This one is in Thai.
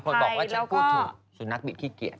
เห็นไหมมีคนบอกว่าฉันพูดถูกฉันนักบีบขี้เกียจ